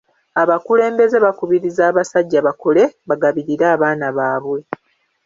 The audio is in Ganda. Abakulembeze bakubiriza abasajjaa bakole bagabirire abaana baabwe.